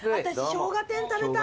しょうが天食べたい。